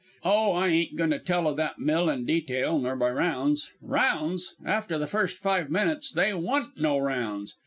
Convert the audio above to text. Oh, I ain't goin' to tell o' that mill in detail, nor by rounds. Rounds! After the first five minutes they wa'n't no rounds.